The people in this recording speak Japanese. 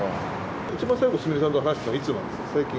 一番最後、すみれさんと話したのはいつなんですか？